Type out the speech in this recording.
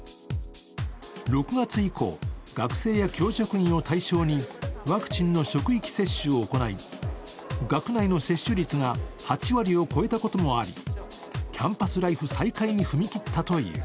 ６月以降、学生や教職員を対象にワクチンの職域接種を行い学内の接種率が８割を超えたこともありキャンパスライフ再開に踏み切ったという。